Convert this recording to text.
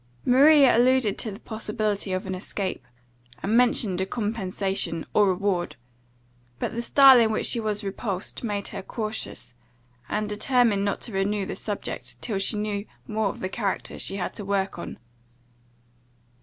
Maria alluded to the possibility of an escape, and mentioned a compensation, or reward; but the style in which she was repulsed made her cautious, and determine not to renew the subject, till she knew more of the character she had to work on.